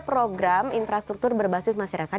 program infrastruktur berbasis masyarakat